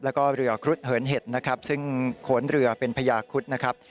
แล้วก็เรือครุฑเหินเห็ดนะครับซึ่งโขนเรือเป็นพญาครุฑนะครับ